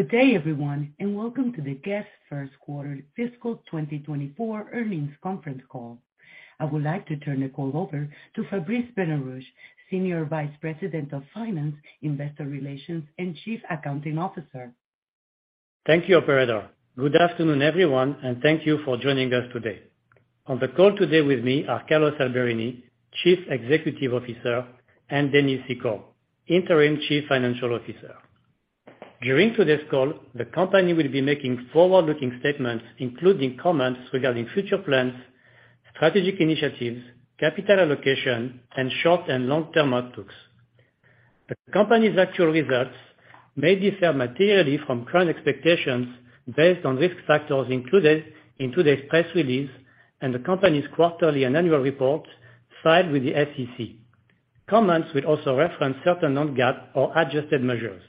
Good day everyone. Welcome to the Guess? First Quarter Fiscal 2024 Earnings Conference Call. I would like to turn the call over to Fabrice Benarouche, Senior Vice President of Finance, Investor Relations, and Chief Accounting Officer. Thank you, Operator. Good afternoon, everyone, and thank you for joining us today. On the call today with me are Carlos Alberini, Chief Executive Officer, and Dennis Secor, Interim Chief Financial Officer. During today's call, the company will be making forward-looking statements, including comments regarding future plans, strategic initiatives, capital allocation, and short and long-term outlooks. The company's actual results may differ materially from current expectations based on risk factors included in today's press release and the company's quarterly and annual report filed with the SEC. Comments will also reference certain non-GAAP or adjusted measures.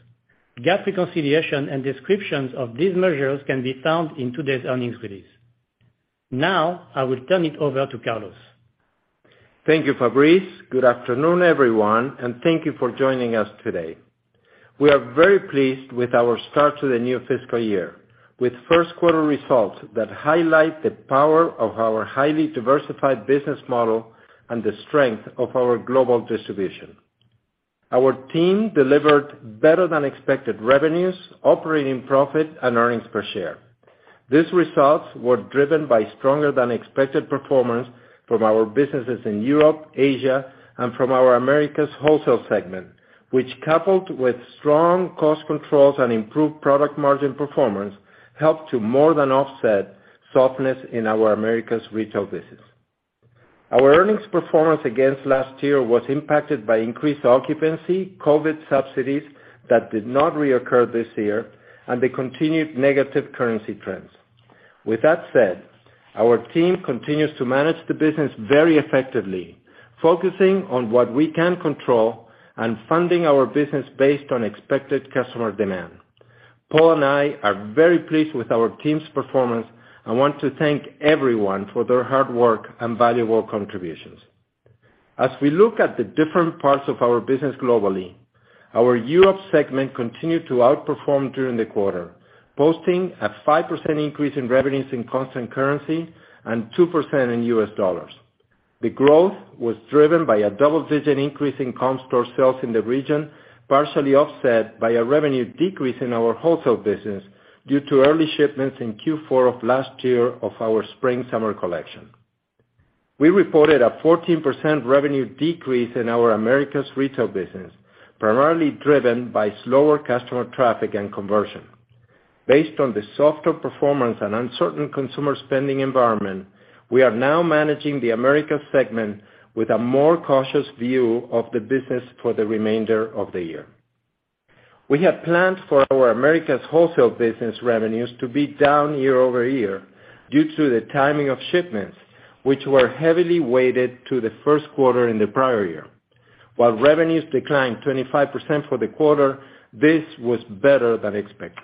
GAAP reconciliation and descriptions of these measures can be found in today's earnings release. Now, I will turn it over to Carlos. Thank you, Fabrice. Good afternoon, everyone. Thank you for joining us today. We are very pleased with our start to the new fiscal year, with first quarter results that highlight the power of our highly diversified business model and the strength of our global distribution. Our team delivered better than expected revenues, operating profit and earnings per share. These results were driven by stronger than expected performance from our businesses in Europe, Asia and from our Americas wholesale segment, which coupled with strong cost controls and improved product margin performance, helped to more than offset softness in our Americas retail business. Our earnings performance against last year was impacted by increased occupancy, COVID subsidies that did not reoccur this year, and the continued negative currency trends. With that said, our team continues to manage the business very effectively, focusing on what we can control and funding our business based on expected customer demand. Paul and I are very pleased with our team's performance. I want to thank everyone for their hard work and valuable contributions. As we look at the different parts of our business globally, our Europe segment continued to outperform during the quarter, posting a 5% increase in revenues in constant currency and 2% in U.S. dollars. The growth was driven by a double-digit increase in comp store sales in the region, partially offset by a revenue decrease in our wholesale business due to early shipments in Q4 of last year of our spring/summer collection. We reported a 14% revenue decrease in our Americas retail business, primarily driven by slower customer traffic and conversion. Based on the softer performance and uncertain consumer spending environment, we are now managing the Americas segment with a more cautious view of the business for the remainder of the year. We have planned for our Americas wholesale business revenues to be down year-over-year due to the timing of shipments, which were heavily weighted to the first quarter in the prior year. While revenues declined 25% for the quarter, this was better than expected.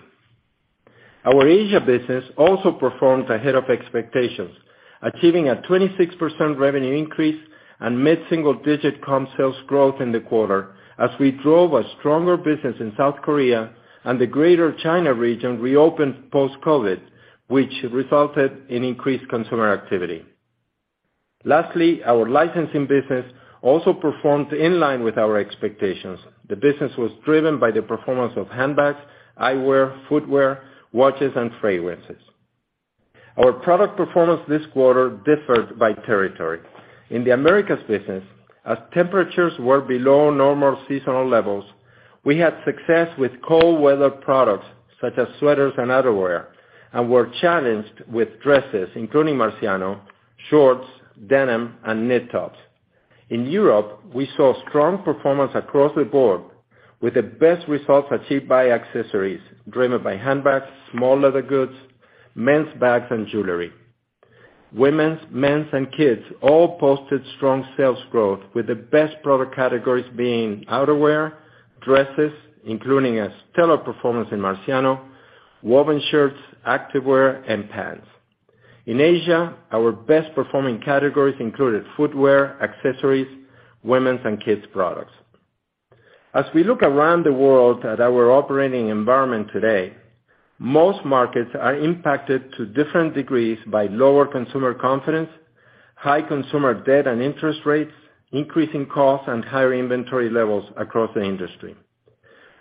Our Asia business also performed ahead of expectations, achieving a 26% revenue increase and mid-single digit comp sales growth in the quarter as we drove a stronger business in South Korea and the Greater China region reopened post-COVID, which resulted in increased consumer activity. Our licensing business also performed in line with our expectations. The business was driven by the performance of handbags, eyewear, footwear, watches, and fragrances. Our product performance this quarter differed by territory. In the Americas business, as temperatures were below normal seasonal levels, we had success with cold weather products such as sweaters and outerwear, and were challenged with dresses, including Marciano, shorts, denim, and knit tops. In Europe, we saw strong performance across the board with the best results achieved by accessories, driven by handbags, small leather goods, men's bags and jewelry. Women's, men's and kids all posted strong sales growth, with the best product categories being outerwear, dresses, including a stellar performance in Marciano, woven shirts, activewear and pants. In Asia, our best performing categories included footwear, accessories, women's and kids products. As we look around the world at our operating environment today, most markets are impacted to different degrees by lower consumer confidence, high consumer debt and interest rates, increasing costs and higher inventory levels across the industry.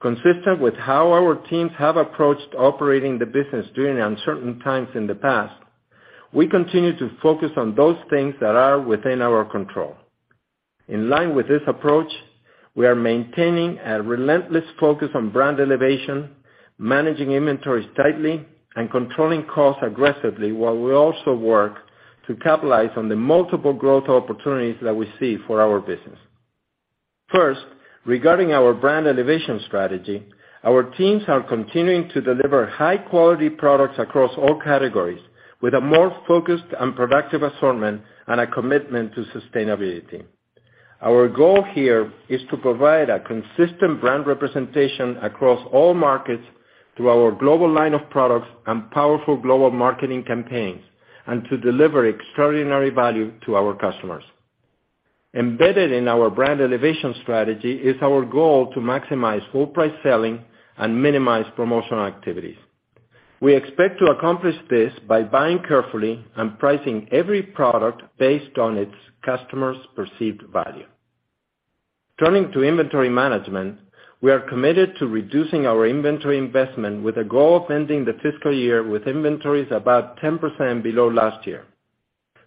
Consistent with how our teams have approached operating the business during uncertain times in the past, we continue to focus on those things that are within our control. In line with this approach, we are maintaining a relentless focus on brand elevation, managing inventories tightly and controlling costs aggressively while we also work to capitalize on the multiple growth opportunities that we see for our business. First, regarding our brand elevation strategy, our teams are continuing to deliver high quality products across all categories with a more focused and productive assortment and a commitment to sustainability. Our goal here is to provide a consistent brand representation across all markets through our global line of products and powerful global marketing campaigns, and to deliver extraordinary value to our customers. Embedded in our brand elevation strategy is our goal to maximize full price selling and minimize promotional activities. We expect to accomplish this by buying carefully and pricing every product based on its customer's perceived value. Turning to inventory management, we are committed to reducing our inventory investment with a goal of ending the fiscal year with inventories about 10% below last year.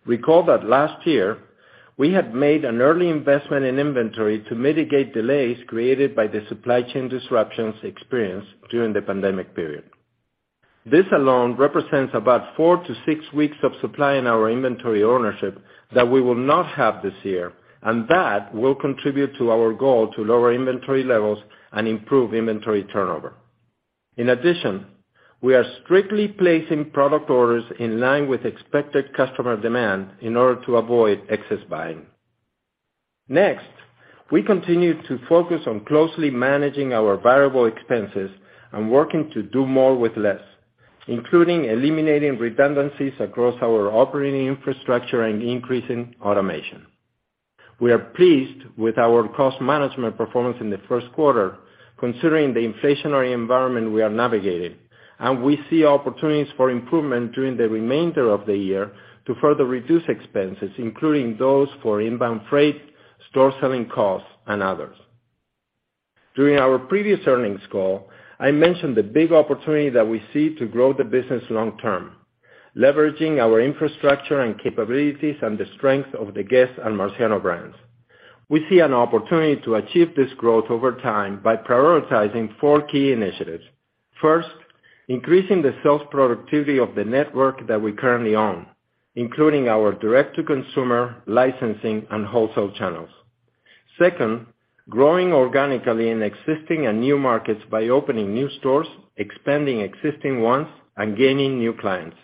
Recall that last year, we had made an early investment in inventory to mitigate delays created by the supply chain disruptions experienced during the pandemic period. This alone represents about four to six weeks of supply in our inventory ownership that we will not have this year, and that will contribute to our goal to lower inventory levels and improve inventory turnover. In addition, we are strictly placing product orders in line with expected customer demand in order to avoid excess buying. Next, we continue to focus on closely managing our variable expenses and working to do more with less, including eliminating redundancies across our operating infrastructure and increasing automation. We are pleased with our cost management performance in the first quarter, considering the inflationary environment we are navigating, and we see opportunities for improvement during the remainder of the year to further reduce expenses, including those for inbound freight, store selling costs, and others. During our previous earnings call, I mentioned the big opportunity that we see to grow the business long term, leveraging our infrastructure and capabilities and the strength of the Guess and Marciano brands. We see an opportunity to achieve this growth over time by prioritizing four key initiatives. First, increasing the sales productivity of the network that we currently own, including our direct to consumer licensing and wholesale channels. Second, growing organically in existing and new markets by opening new stores, expanding existing ones, and gaining new clients.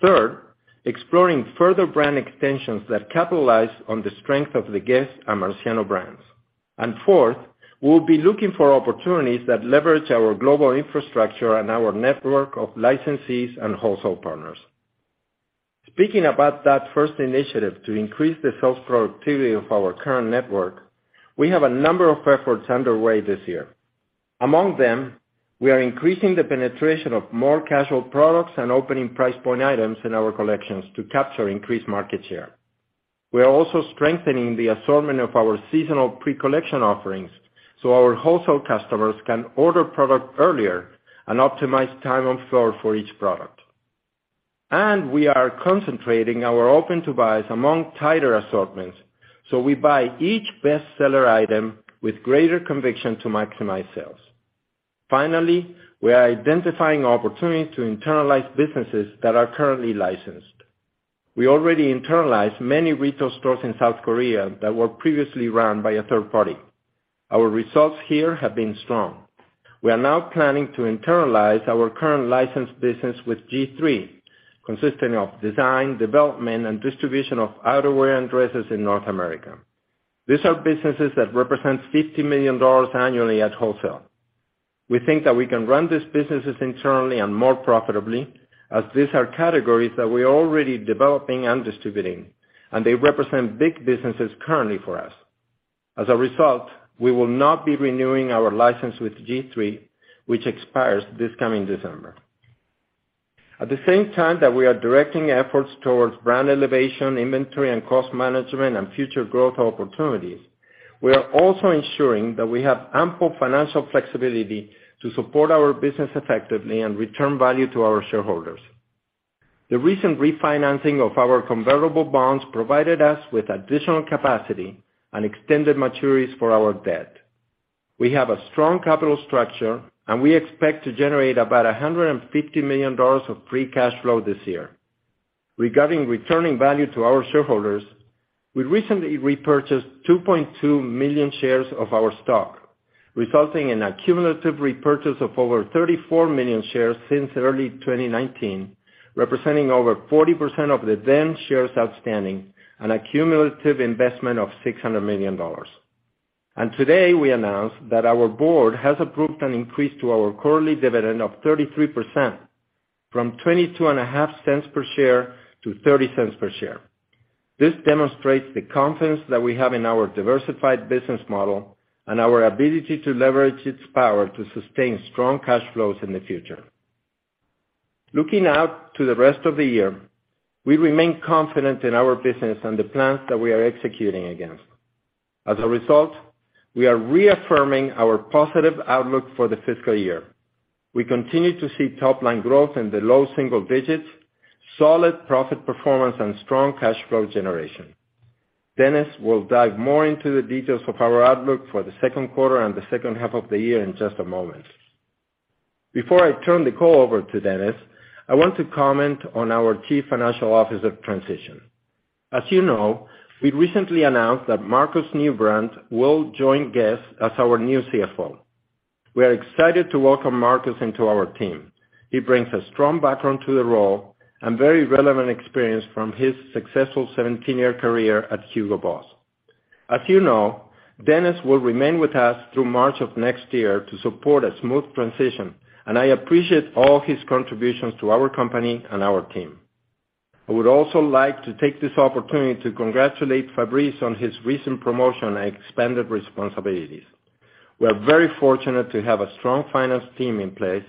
Third, exploring further brand extensions that capitalize on the strength of the Guess and Marciano brands. Fourth, we'll be looking for opportunities that leverage our global infrastructure and our network of licensees and wholesale partners. Speaking about that first initiative to increase the sales productivity of our current network, we have a number of efforts underway this year. Among them, we are increasing the penetration of more casual products and opening price point items in our collections to capture increased market share. We are also strengthening the assortment of our seasonal pre-collection offerings so our wholesale customers can order product earlier and optimize time on floor for each product. We are concentrating our open-to-buys among tighter assortments, so we buy each bestseller item with greater conviction to maximize sales. Finally, we are identifying opportunities to internalize businesses that are currently licensed. We already internalized many retail stores in South Korea that were previously run by a third party. Our results here have been strong. We are now planning to internalize our current licensed business with G-III, consisting of design, development, and distribution of outerwear and dresses in North America. These are businesses that represents $50 million annually at wholesale. We think that we can run these businesses internally and more profitably, as these are categories that we are already developing and distributing, and they represent big businesses currently for us. As a result, we will not be renewing our license with G-III, which expires this coming December. At the same time that we are directing efforts towards brand elevation, inventory, and cost management, and future growth opportunities, we are also ensuring that we have ample financial flexibility to support our business effectively and return value to our shareholders. The recent refinancing of our convertible bonds provided us with additional capacity and extended maturities for our debt. We have a strong capital structure, and we expect to generate about $150 million of free cash flow this year. Regarding returning value to our shareholders, we recently repurchased 2.2 million shares of our stock, resulting in a cumulative repurchase of over 34 million shares since early 2019, representing over 40% of the then shares outstanding, and a cumulative investment of $600 million. Today, we announce that our board has approved an increase to our quarterly dividend of 33% from $0.225 per share to $0.30 per share. This demonstrates the confidence that we have in our diversified business model and our ability to leverage its power to sustain strong cash flows in the future. Looking out to the rest of the year, we remain confident in our business and the plans that we are executing against. As a result, we are reaffirming our positive outlook for the fiscal year. We continue to see top-line growth in the low single digits, solid profit performance, and strong cash flow generation. Dennis will dive more into the details of our outlook for the second quarter and the second half of the year in just a moment. Before I turn the call over to Dennis, I want to comment on our chief financial officer transition. As you know, we recently announced that Markus Neubrand will join Guess? as our new CFO. We are excited to welcome Markus into our team. He brings a strong background to the role and very relevant experience from his successful 17-year career at Hugo Boss. As you know, Dennis will remain with us through March of next year to support a smooth transition, and I appreciate all his contributions to our company and our team. I would also like to take this opportunity to congratulate Fabrice on his recent promotion and expanded responsibilities. We are very fortunate to have a strong finance team in place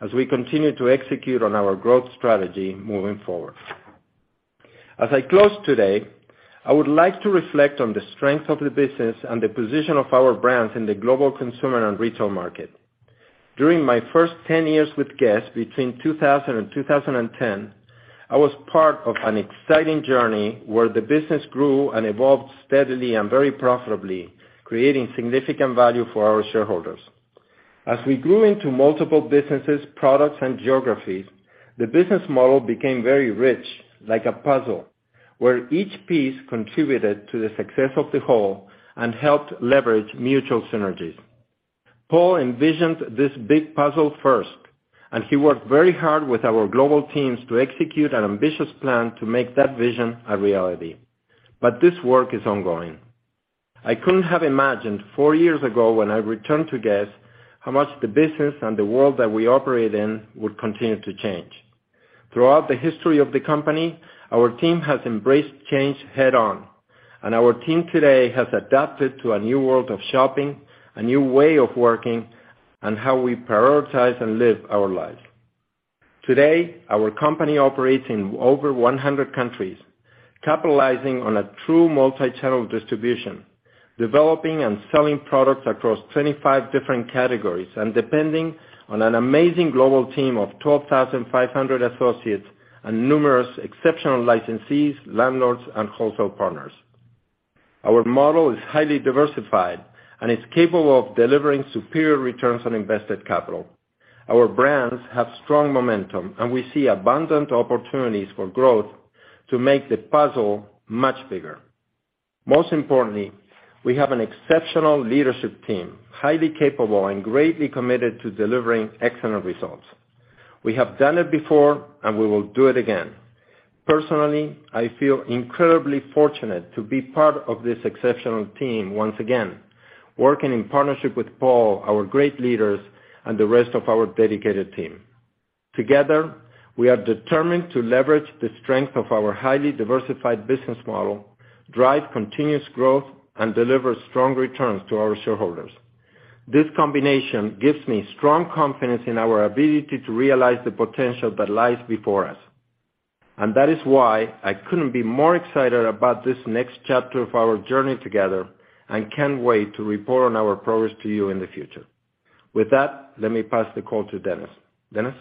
as we continue to execute on our growth strategy moving forward. As I close today, I would like to reflect on the strength of the business and the position of our brands in the global consumer and retail market. During my first 10 years with Guess?, between 2000 and 2010, I was part of an exciting journey where the business grew and evolved steadily and very profitably, creating significant value for our shareholders. As we grew into multiple businesses, products, and geographies, the business model became very rich, like a puzzle where each piece contributed to the success of the whole and helped leverage mutual synergies. Paul envisioned this big puzzle first, and he worked very hard with our global teams to execute an ambitious plan to make that vision a reality. This work is ongoing. I couldn't have imagined four years ago when I returned to Guess? how much the business and the world that we operate in would continue to change. Throughout the history of the company, our team has embraced change head on, and our team today has adapted to a new world of shopping, a new way of working, and how we prioritize and live our lives. Today, our company operates in over 100 countries, capitalizing on a true multi-channel distribution, developing and selling products across 25 different categories, and depending on an amazing global team of 12,500 associates and numerous exceptional licensees, landlords, and wholesale partners. Our model is highly diversified and is capable of delivering superior returns on invested capital. Our brands have strong momentum, and we see abundant opportunities for growth to make the puzzle much bigger. Most importantly, we have an exceptional leadership team, highly capable and greatly committed to delivering excellent results. We have done it before, we will do it again. Personally, I feel incredibly fortunate to be part of this exceptional team once again, working in partnership with Paul, our great leaders, and the rest of our dedicated team. Together, we are determined to leverage the strength of our highly diversified business model, drive continuous growth, and deliver strong returns to our shareholders. This combination gives me strong confidence in our ability to realize the potential that lies before us, and that is why I couldn't be more excited about this next chapter of our journey together and can't wait to report on our progress to you in the future. With that, let me pass the call to Dennis. Dennis?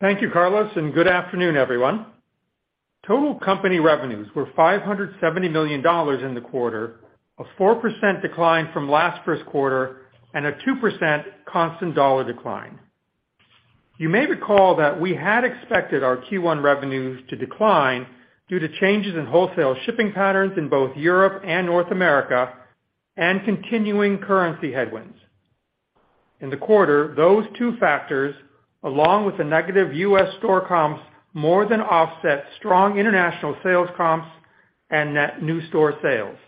Thank you, Carlos, and good afternoon, everyone. Total company revenues were $570 million in the quarter, a 4% decline from last first quarter and a 2% constant dollar decline. You may recall that we had expected our Q1 revenues to decline due to changes in wholesale shipping patterns in both Europe and North America and continuing currency headwinds. In the quarter, those two factors, along with the negative U.S. store comps, more than offset strong international sales comps and net new store sales.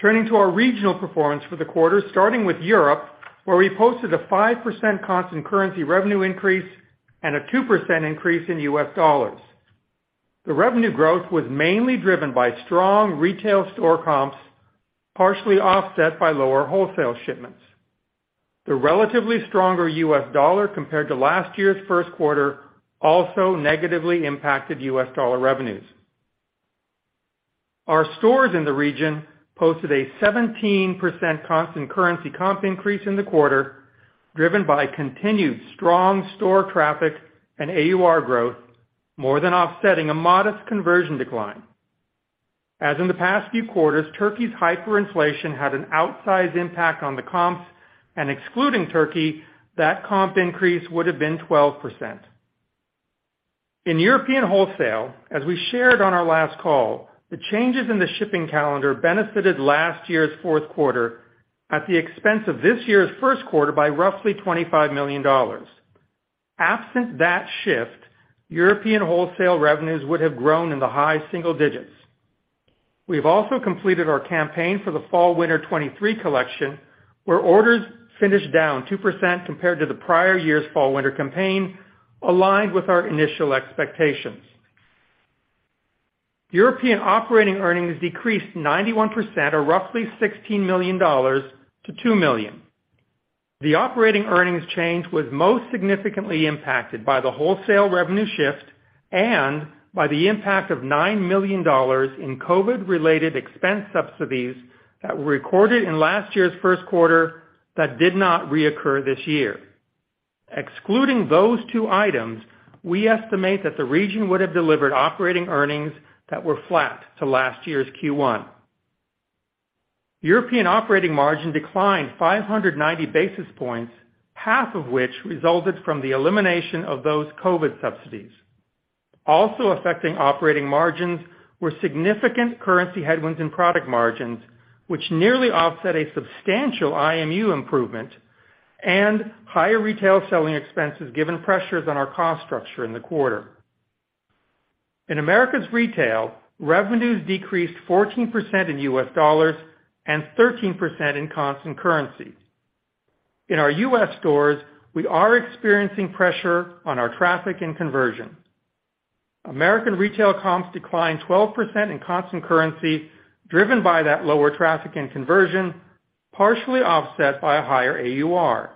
Turning to our regional performance for the quarter, starting with Europe, where we posted a 5% constant currency revenue increase and a 2% increase in U.S. dollars. The revenue growth was mainly driven by strong retail store comps, partially offset by lower wholesale shipments. The relatively stronger U.S. dollar compared to last year's first quarter also negatively impacted U.S. dollar revenues. Our stores in the region posted a 17% constant currency comp increase in the quarter, driven by continued strong store traffic and AUR growth, more than offsetting a modest conversion decline. As in the past few quarters, Turkey's hyperinflation had an outsized impact on the comps, and excluding Turkey, that comp increase would have been 12%. In European wholesale, as we shared on our last call, the changes in the shipping calendar benefited last year's fourth quarter at the expense of this year's first quarter by roughly $25 million. Absent that shift, European wholesale revenues would have grown in the high single digits. We've also completed our campaign for the fall/winter 2023 collection, where orders finished down 2% compared to the prior year's fall/winter campaign, aligned with our initial expectations. European operating earnings decreased 91% or roughly $16 million-$2 million. The operating earnings change was most significantly impacted by the wholesale revenue shift and by the impact of $9 million in COVID-related expense subsidies that were recorded in last year's first quarter that did not reoccur this year. Excluding those two items, we estimate that the region would have delivered operating earnings that were flat to last year's Q1. European operating margin declined 590 basis points, half of which resulted from the elimination of those COVID subsidies. Also affecting operating margins were significant currency headwinds in product margins, which nearly offset a substantial IMU improvement. Higher retail selling expenses given pressures on our cost structure in the quarter. In Americas Retail, revenues decreased 14% in U.S. dollars and 13% in constant currency. In our U.S. stores, we are experiencing pressure on our traffic and conversion. Americas Retail comps declined 12% in constant currency, driven by that lower traffic and conversion, partially offset by a higher AUR.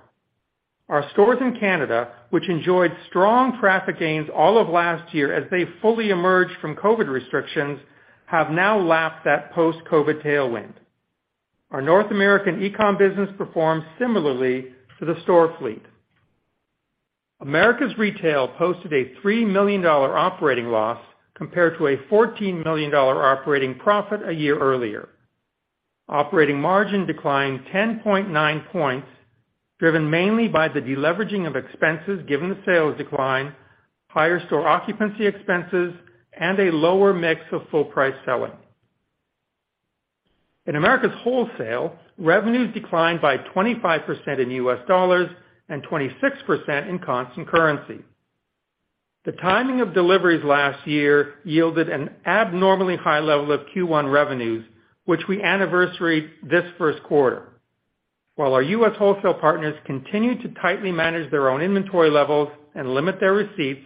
Our stores in Canada, which enjoyed strong traffic gains all of last year as they fully emerged from COVID restrictions, have now lapped that post-COVID tailwind. Our North American e-commerce business performed similarly to the store fleet. Americas Retail posted a $3 million operating loss compared to a $14 million operating profit a year earlier. Operating margin declined 10.9 points, driven mainly by the deleveraging of expenses given the sales decline, higher store occupancy expenses, and a lower mix of full price selling. In Americas Wholesale, revenues declined by 25% in U.S. dollars and 26% in constant currency. The timing of deliveries last year yielded an abnormally high level of Q1 revenues, which we anniversaried this first quarter. While our U.S. wholesale partners continue to tightly manage their own inventory levels and limit their receipts,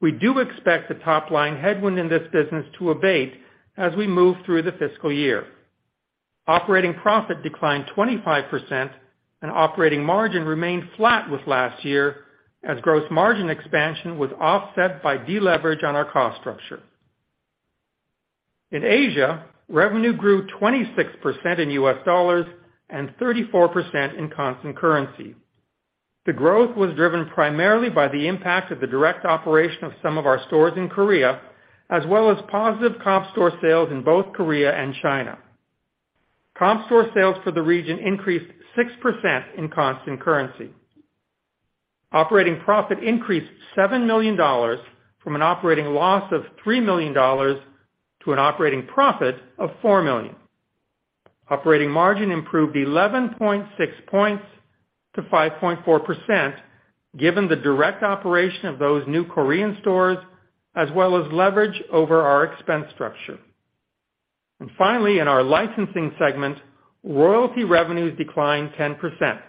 we do expect the top line headwind in this business to abate as we move through the fiscal year. Operating profit declined 25% and operating margin remained flat with last year, as gross margin expansion was offset by deleverage on our cost structure. In Asia, revenue grew 26% in U.S. dollars and 34% in constant currency. The growth was driven primarily by the impact of the direct operation of some of our stores in Korea, as well as positive comp store sales in both Korea and China. Comp store sales for the region increased 6% in constant currency. Operating profit increased $7 million from an operating loss of $3 million to an operating profit of $4 million. Operating margin improved 11.6 points to 5.4% given the direct operation of those new Korean stores, as well as leverage over our expense structure. Finally, in our licensing segment, royalty revenues declined 10%.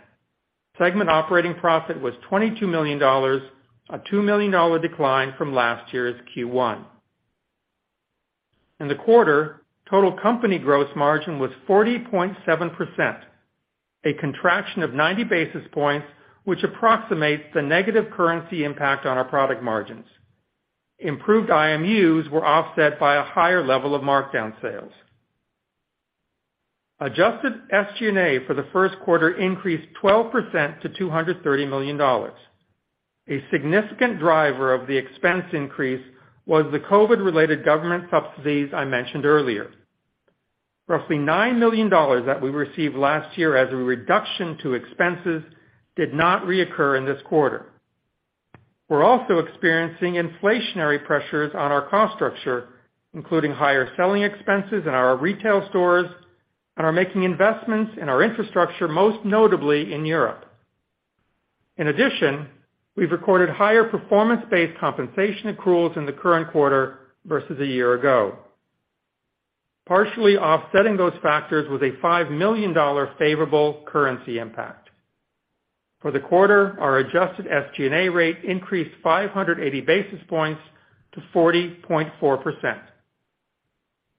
Segment operating profit was $22 million, a $2 million decline from last year's Q1. In the quarter, total company gross margin was 40.7%, a contraction of 90 basis points, which approximates the negative currency impact on our product margins. Improved IMUs were offset by a higher level of markdown sales. Adjusted SG&A for the first quarter increased 12% to $230 million. A significant driver of the expense increase was the COVID-related government subsidies I mentioned earlier. Roughly $9 million that we received last year as a reduction to expenses did not reoccur in this quarter. We're also experiencing inflationary pressures on our cost structure, including higher selling expenses in our retail stores and are making investments in our infrastructure, most notably in Europe. In addition, we've recorded higher performance-based compensation accruals in the current quarter versus a year ago. Partially offsetting those factors was a $5 million favorable currency impact. For the quarter, our Adjusted SG&A rate increased 580 basis points to 40.4%.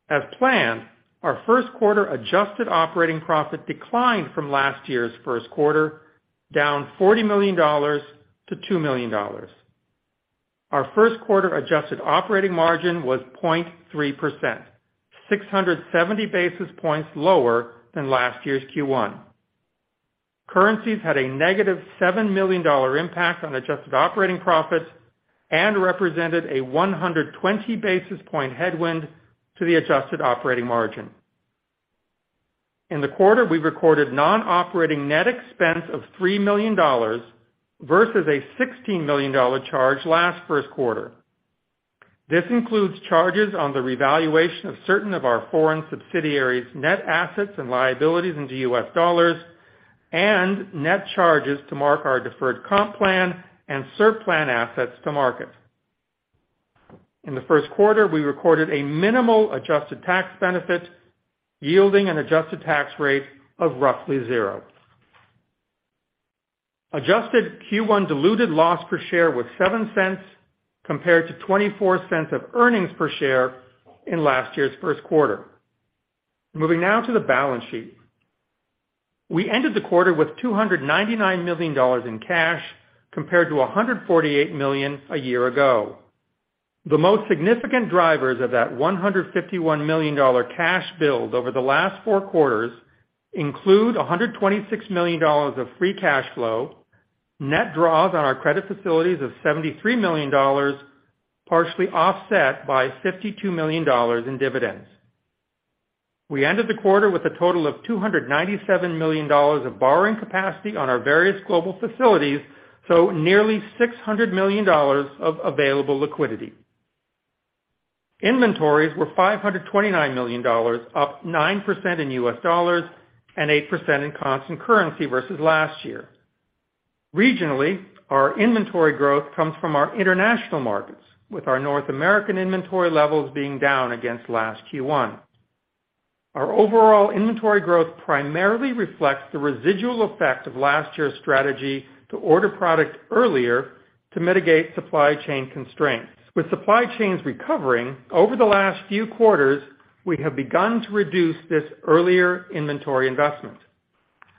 As planned, our first quarter adjusted operating profit declined from last year's first quarter, down $40 million-$2 million. Our first quarter adjusted operating margin was 0.3%, 670 basis points lower than last year's Q1. Currencies had a negative $7 million impact on adjusted operating profits and represented a 120 basis point headwind to the adjusted operating margin. In the quarter, we recorded non-operating net expense of $3 million versus a $16 million charge last first quarter. This includes charges on the revaluation of certain of our foreign subsidiaries' net assets and liabilities into U.S. dollars, and net charges to mark our deferred comp plan and SERP plan assets to market. In the first quarter, we recorded a minimal adjusted tax benefit, yielding an adjusted tax rate of roughly 0%. Adjusted Q1 diluted loss per share was $0.07 compared to $0.24 of earnings per share in last year's first quarter. Moving now to the balance sheet. We ended the quarter with $299 million in cash compared to $148 million a year ago. The most significant drivers of that $151 million cash build over the last four quarters include $126 million of free cash flow, net draws on our credit facilities of $73 million, partially offset by $52 million in dividends. We ended the quarter with a total of $297 million of borrowing capacity on our various global facilities, so nearly $600 million of available liquidity. Inventories were $529 million, up 9% in U.S. dollars and 8% in constant currency versus last year. Regionally, our inventory growth comes from our international markets, with our North American inventory levels being down against last Q1. Our overall inventory growth primarily reflects the residual effect of last year's strategy to order product earlier to mitigate supply chain constraints. With supply chains recovering, over the last few quarters, we have begun to reduce this earlier inventory investment.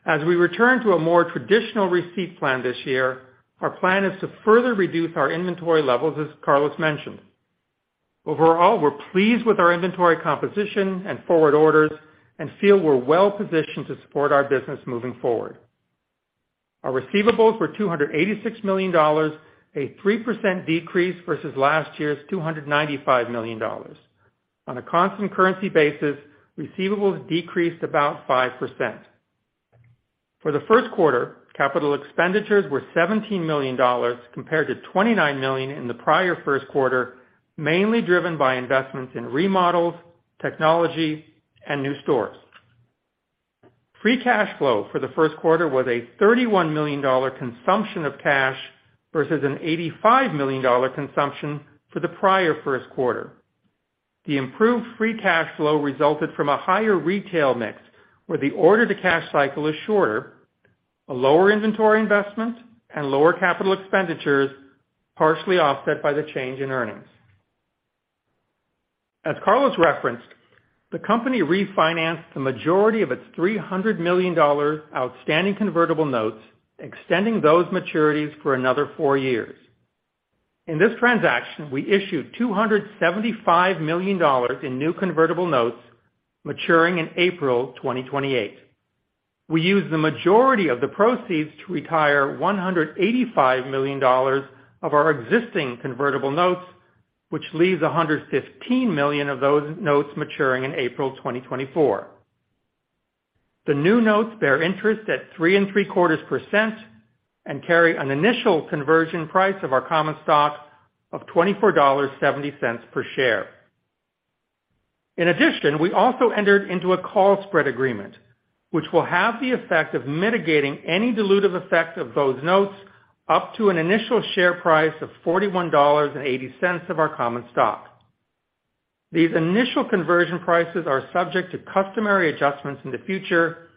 As we return to a more traditional receipt plan this year, our plan is to further reduce our inventory levels, as Carlos mentioned. Overall, we're pleased with our inventory composition and forward orders and feel we're well-positioned to support our business moving forward. Our receivables were $286 million, a 3% decrease versus last year's $295 million. On a constant currency basis, receivables decreased about 5%. For the first quarter, capital expenditures were $17 million compared to $29 million in the prior first quarter, mainly driven by investments in remodels, technology, and new stores. Free cash flow for the first quarter was a $31 million consumption of cash versus an $85 million consumption for the prior first quarter. The improved free cash flow resulted from a higher retail mix where the order to cash cycle is shorter, a lower inventory investment and lower capital expenditures, partially offset by the change in earnings. As Carlos referenced, the company refinanced the majority of its $300 million outstanding convertible notes, extending those maturities for another four years. In this transaction, we issued $275 million in new convertible notes maturing in April 2028. We used the majority of the proceeds to retire $185 million of our existing convertible notes, which leaves $115 million of those notes maturing in April 2024. The new notes bear interest at 3.75% and carry an initial conversion price of our common stock of $24.70 per share. In addition, we also entered into a call spread agreement, which will have the effect of mitigating any dilutive effect of those notes up to an initial share price of $41.80 of our common stock. These initial conversion prices are subject to customary adjustments in the future,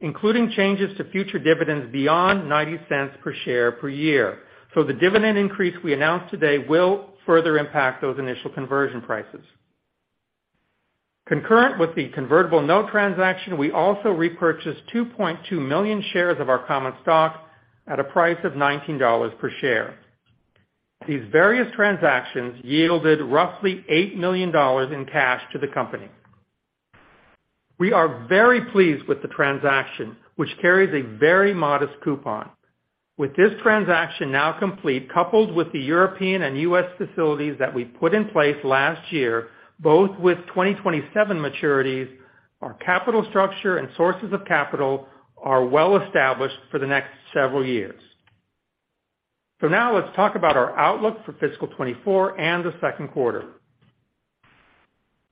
including changes to future dividends beyond $0.90 per share per year. The dividend increase we announced today will further impact those initial conversion prices. Concurrent with the convertible note transaction, we also repurchased 2.2 million shares of our common stock at a price of $19 per share. These various transactions yielded roughly $8 million in cash to the company. We are very pleased with the transaction, which carries a very modest coupon. With this transaction now complete, coupled with the European and U.S. facilities that we put in place last year, both with 2027 maturities, our capital structure and sources of capital are well established for the next several years. Now let's talk about our outlook for fiscal 2024 and the second quarter.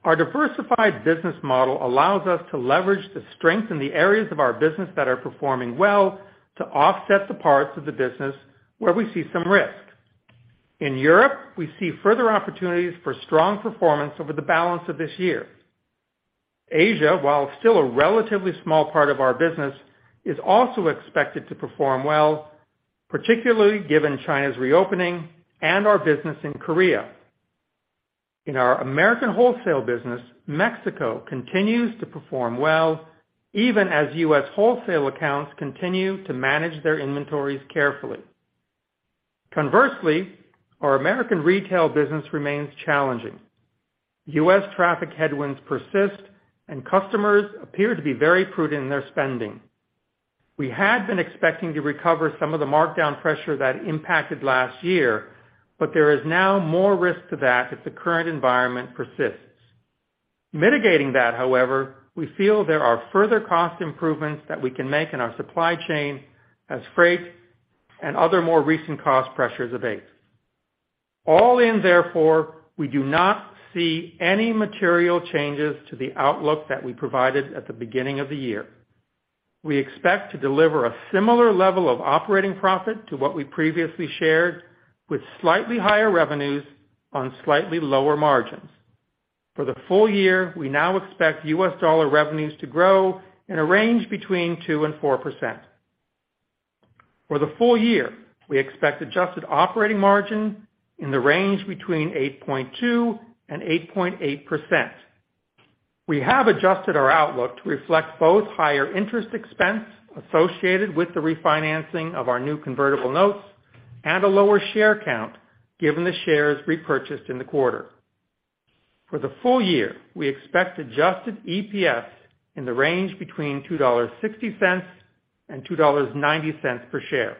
Our diversified business model allows us to leverage the strength in the areas of our business that are performing well to offset the parts of the business where we see some risk. In Europe, we see further opportunities for strong performance over the balance of this year. Asia, while still a relatively small part of our business, is also expected to perform well, particularly given China's reopening and our business in Korea. In our American wholesale business, Mexico continues to perform well, even as U.S. wholesale accounts continue to manage their inventories carefully. Our American retail business remains challenging. U.S. traffic headwinds persist and customers appear to be very prudent in their spending. We had been expecting to recover some of the markdown pressure that impacted last year, but there is now more risk to that if the current environment persists. Mitigating that, however, we feel there are further cost improvements that we can make in our supply chain as freight and other more recent cost pressures abate. We do not see any material changes to the outlook that we provided at the beginning of the year. We expect to deliver a similar level of operating profit to what we previously shared with slightly higher revenues on slightly lower margins. For the full year, we now expect U.S. dollar revenues to grow in a range between 2% and 4%. For the full year, we expect adjusted operating margin in the range between 8.2% and 8.8%. We have adjusted our outlook to reflect both higher interest expense associated with the refinancing of our new convertible notes and a lower share count given the shares repurchased in the quarter. For the full year, we expect Adjusted EPS in the range between $2.60 and $2.90 per share.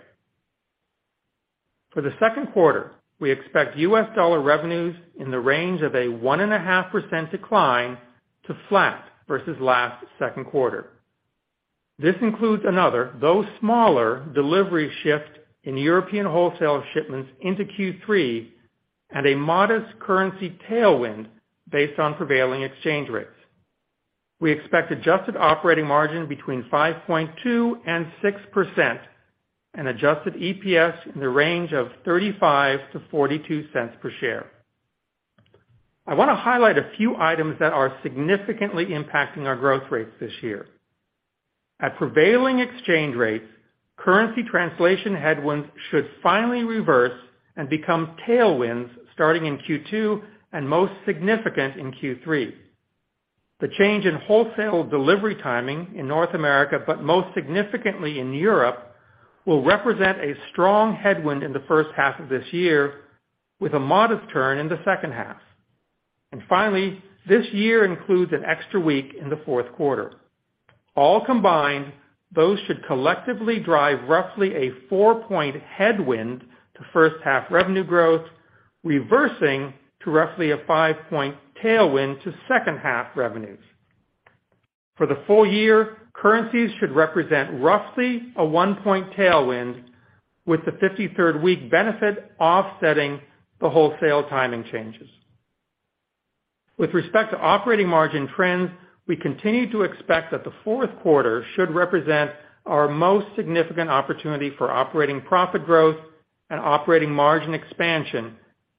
For the second quarter, we expect U.S. dollar revenues in the range of a 1.5% decline to flat versus last second quarter. This includes another, though smaller, delivery shift in European wholesale shipments into Q3 and a modest currency tailwind based on prevailing exchange rates. We expect adjusted operating margin between 5.2% and 6% and Adjusted EPS in the range of $0.35-$0.42 per share. I want to highlight a few items that are significantly impacting our growth rates this year. At prevailing exchange rates, currency translation headwinds should finally reverse and become tailwinds starting in Q2 and most significant in Q3. The change in wholesale delivery timing in North America, but most significantly in Europe, will represent a strong headwind in the first half of this year, with a modest turn in the second half. Finally, this year includes an extra week in the fourth quarter. All combined, those should collectively drive roughly a 4-point headwind to first half revenue growth, reversing to roughly a 5-point tailwind to second half revenues. For the full year, currencies should represent roughly a 1-point tailwind, with the 53rd week benefit offsetting the wholesale timing changes. With respect to operating margin trends, we continue to expect that the fourth quarter should represent our most significant opportunity for operating profit growth and operating margin expansion,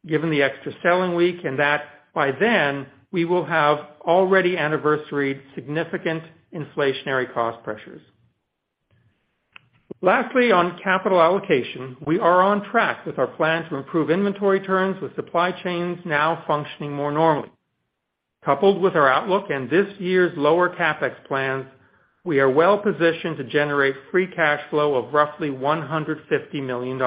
given the extra selling week and that by then we will have already anniversaried significant inflationary cost pressures. Lastly, on capital allocation, we are on track with our plan to improve inventory turns with supply chains now functioning more normally. Coupled with our outlook and this year's lower CapEx plans, we are well positioned to generate free cash flow of roughly $150 million.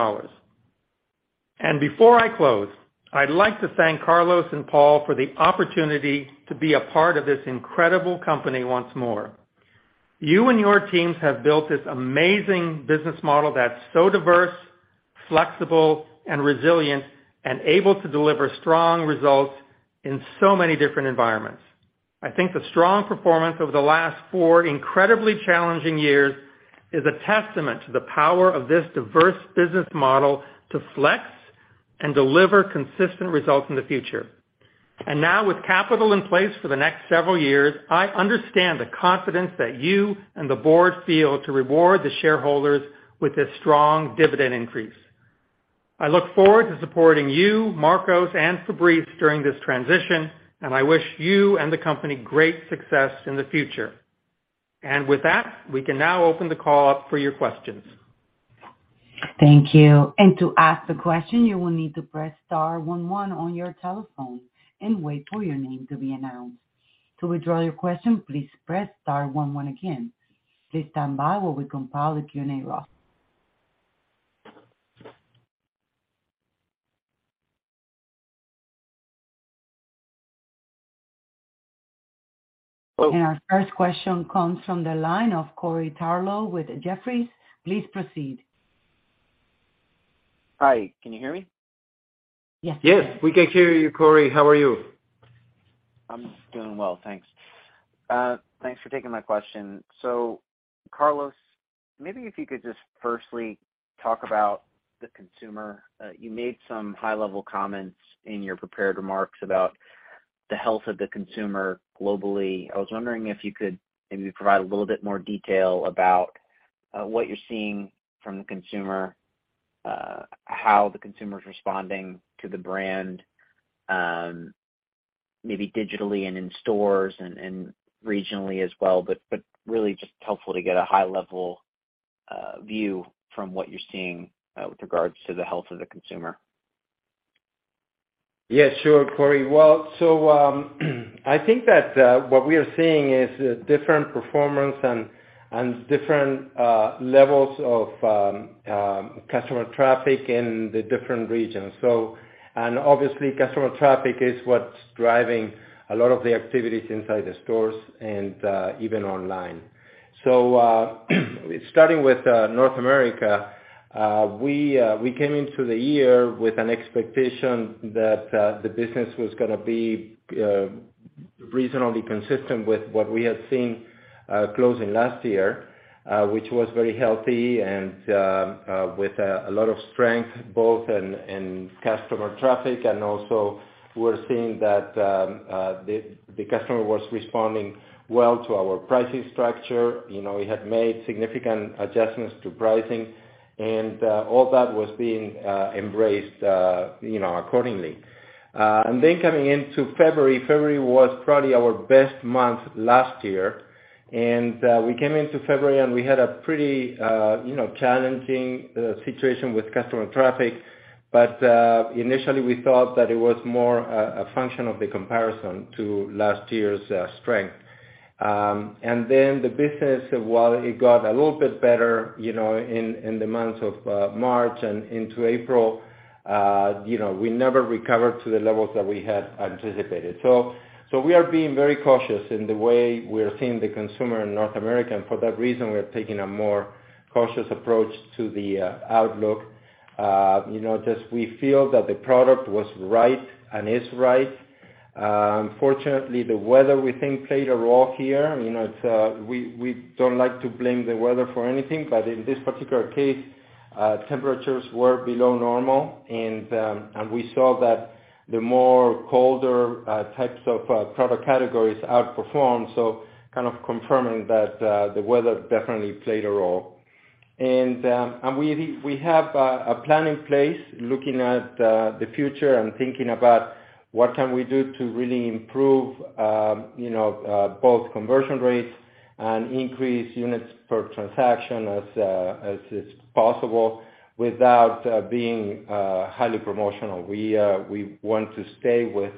Before I close, I'd like to thank Carlos and Paul for the opportunity to be a part of this incredible company once more. You and your teams have built this amazing business model that's so diverse, flexible and resilient and able to deliver strong results in so many different environments. I think the strong performance over the last four incredibly challenging years is a testament to the power of this diverse business model to flex and deliver consistent results in the future. Now with capital in place for the next several years, I understand the confidence that you and the board feel to reward the shareholders with this strong dividend increase. I look forward to supporting you, Markus and Fabrice during this transition, and I wish you and the company great success in the future. With that, we can now open the call up for your questions. Thank you. To ask the question, you will need to press star one one on your telephone and wait for your name to be announced. To withdraw your question, please press star one one again. Please stand by while we compile the Q&A roll. Our first question comes from the line of Corey Tarlowe with Jefferies. Please proceed. Hi, can you hear me? Yes. Yes, we can hear you, Corey. How are you? I'm doing well, thanks. Thanks for taking my question. Carlos, maybe if you could just firstly talk about the consumer. You made some high-level comments in your prepared remarks about the health of the consumer globally. I was wondering if you could maybe provide a little bit more detail about what you're seeing from the consumer, how the consumer is responding to the brand, maybe digitally and in stores and regionally as well, really just helpful to get a high level view from what you're seeing with regards to the health of the consumer? Yeah, sure, Corey. I think that what we are seeing is different performance and different levels of customer traffic in the different regions. Obviously, customer traffic is what's driving a lot of the activities inside the stores and even online. Starting with North America, we came into the year with an expectation that the business was gonna be reasonably consistent with what we had seen closing last year, which was very healthy and with a lot of strength both in customer traffic and also we're seeing that the customer was responding well to our pricing structure. You know, we had made significant adjustments to pricing, and all that was being embraced, you know, accordingly. Coming into February was probably our best month last year, and we came into February, and we had a pretty, you know, challenging situation with customer traffic. Initially, we thought that it was more a function of the comparison to last year's strength. The business, while it got a little bit better, you know, in the months of March and into April, you know, we never recovered to the levels that we had anticipated. We are being very cautious in the way we're seeing the consumer in North America, and for that reason, we are taking a more cautious approach to the outlook. Just we feel that the product was right and is right. Unfortunately, the weather, we think, played a role here. You know, it, we don't like to blame the weather for anything. In this particular case, temperatures were below normal. We saw that the more colder types of product categories outperformed, so kind of confirming that the weather definitely played a role. We have a plan in place looking at the future and thinking about what can we do to really improve, you know, both conversion rates and increase units per transaction as is possible without being highly promotional. We want to stay with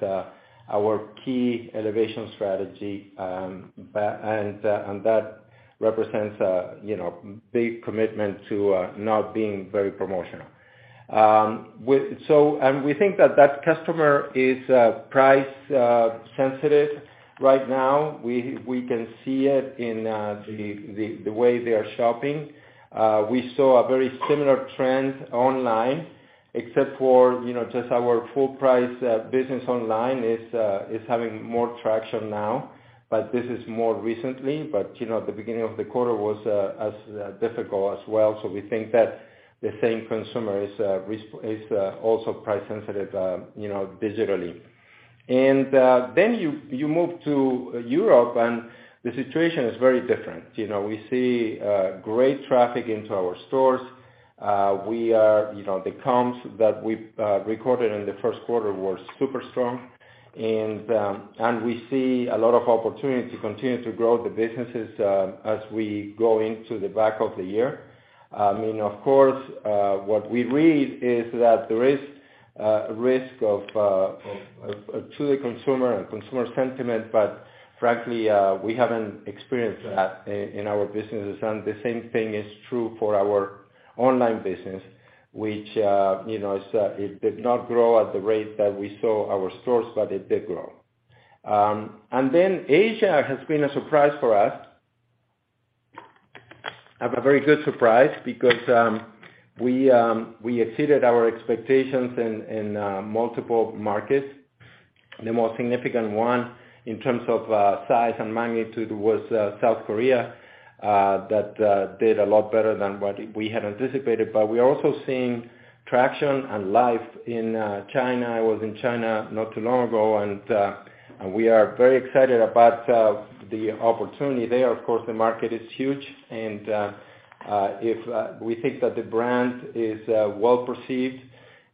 our key elevation strategy. That represents a, you know, big commitment to not being very promotional. We think that that customer is price sensitive right now. We can see it in the way they are shopping. We saw a very similar trend online except for, you know, just our full price business online is having more traction now, but this is more recently. You know, the beginning of the quarter was as difficult as well. We think that the same consumer is also price sensitive, you know, digitally. You move to Europe, and the situation is very different. You know, we see great traffic into our stores. We are, you know, the comps that we recorded in the first quarter were super strong. We see a lot of opportunity to continue to grow the businesses as we go into the back of the year. I mean, of course, what we read is that there is risk of to the consumer and consumer sentiment. Frankly, we haven't experienced that in our businesses. The same thing is true for our online business, which, you know, it's it did not grow at the rate that we saw our stores, but it did grow. Asia has been a surprise for us. A very good surprise because we exceeded our expectations in multiple markets. The more significant one in terms of size and magnitude was South Korea that did a lot better than what we had anticipated. We're also seeing traction and life in China. I was in China not too long ago, and we are very excited about the opportunity there. Of course, the market is huge and if we think that the brand is well perceived,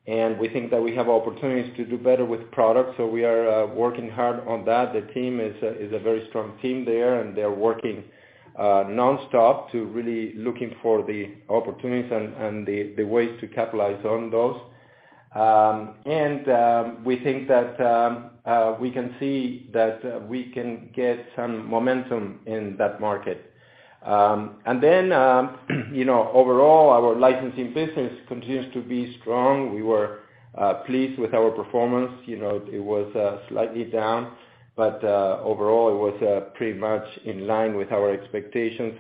and we think that we have opportunities to do better with products, so we are working hard on that. The team is a very strong team there, and they're working nonstop to really looking for the opportunities and the ways to capitalize on those. We think that we can see that we can get some momentum in that market. You know, overall our licensing business continues to be strong. We were pleased with our performance. You know, it was slightly down, but overall, it was pretty much in line with our expectations